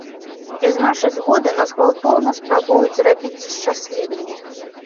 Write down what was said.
Без нашай згоды нас гвалтоўна спрабуюць зрабіць шчаслівымі.